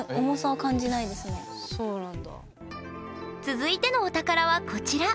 続いてのお宝はこちら。